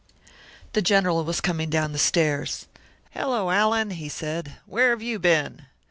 The General was coming down the stairs. "Hello, Allan," he said. "Where have you been?"